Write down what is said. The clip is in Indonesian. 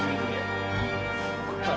gue taruh kembali ke rumah kalian